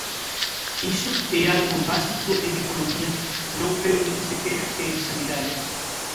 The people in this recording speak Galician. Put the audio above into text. Iso é algo básico en economía, non creo nin sequera que en sanidade.